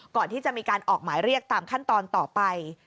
ก่อนที่จะมีการออกหมายเรียกตามขั้นตอนต่อไป